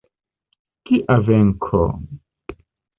Kia venko!